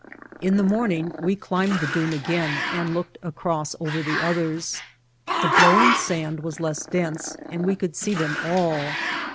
In the morning we climbed the dune again and looked across over the others. The blowing sand was less dense and we could see them all.